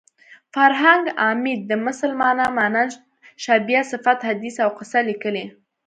فرهنګ عمید د مثل مانا مانند شبیه صفت حدیث او قصه لیکلې